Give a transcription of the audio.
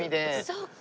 そっか。